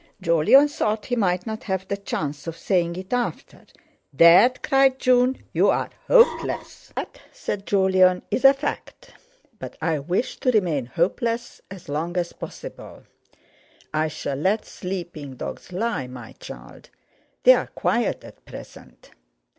Jolyon thought he might not have the chance, of saying it after. "Dad!" cried June, "you're hopeless." "That," said Jolyon, "is a fact, but I wish to remain hopeless as long as possible. I shall let sleeping dogs lie, my child. They are quiet at present."